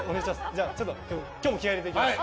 じゃあ、ちょっと今日も気合入れていきます。